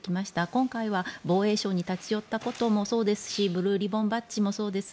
今回は防衛省に立ち寄ったこともそうですしブルーリボンバッジもそうです。